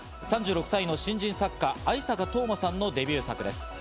３６歳の新人作家・逢坂冬馬さんのデビュー作です。